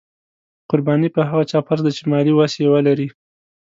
قرباني په هغه چا فرض ده چې مالي وس یې ولري.